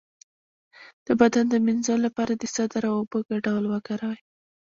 د بدن د مینځلو لپاره د سدر او اوبو ګډول وکاروئ